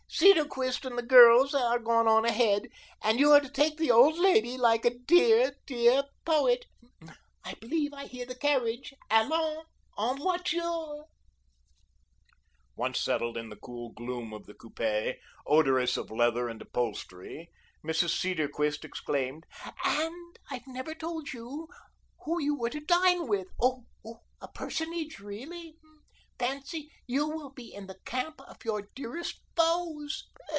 Cedarquist and the girls are gone on ahead, and you are to take the old lady like a dear, dear poet. I believe I hear the carriage. Allons! En voiture!" Once settled in the cool gloom of the coupe, odorous of leather and upholstery, Mrs. Cedarquist exclaimed: "And I've never told you who you were to dine with; oh, a personage, really. Fancy, you will be in the camp of your dearest foes.